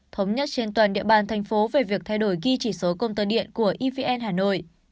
thống nhất trên toàn địa bàn thành phố về việc thay đổi ghi chỉ số công tơ điện của evn hà nội